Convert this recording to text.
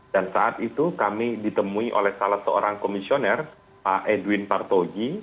dan saat itu kami ditemui oleh salah seorang komisioner pak edwin partogi